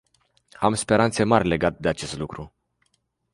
Am speranțe mari legat de acest lucru.